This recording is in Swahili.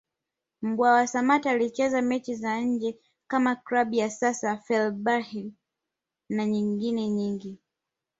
Mbwana Samata alichezea mechi za nje kama Klabu ya sasa Fenerbahce na nyengine nyingi